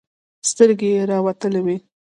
سترګې يې راوتلې وې.